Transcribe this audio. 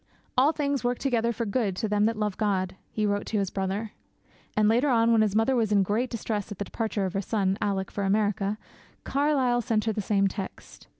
'All things work together for good to them that love God,' he wrote to his brother. And, later on, when his mother was in great distress at the departure of her son, Alick, for America, Carlyle sent her the same text.